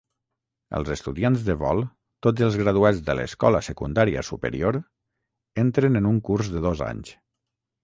Els estudiants de vol, tots els graduats de l'escola secundària superior, entren en un curs de dos anys.